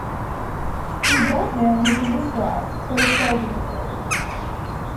The adult male has been described but is seldom observed.